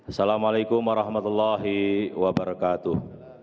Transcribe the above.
assalamualaikum warahmatullahi wabarakatuh